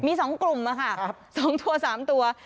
มี๒กลุ่มค่ะ๒ตัว๓ตัว